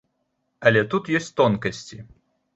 Але тут ёсць тонкасці.